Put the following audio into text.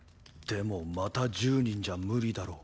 でもまた１０人じゃ無理だろ。